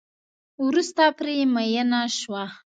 وروسته پرې میېنه شوه.